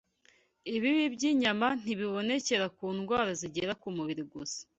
Ibibi by’inyama ntibibonekera ku ndwara zigera ku mubiri gusa